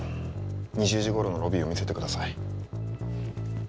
２０時頃のロビーを見せてください」